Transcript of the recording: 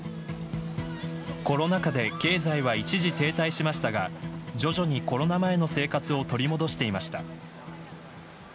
コロナ禍で経済は一時停滞しましたが徐々に、コロナ前の生活を取り戻していました。